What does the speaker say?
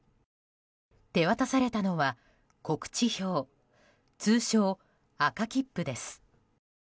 手渡されたのは告知票、通称赤切符です。